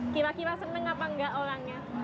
kira kira seneng apa enggak orangnya